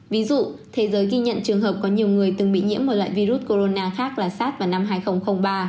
ví dụ thế giới ghi nhận trường hợp có nhiều người từng bị nhiễm một loại virus corona khác là sars vào năm hai nghìn ba